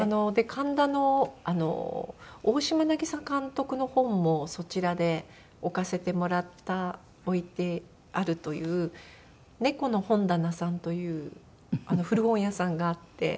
神田の大島渚監督の本もそちらで置かせてもらった置いてあるという猫の本棚さんという古本屋さんがあって。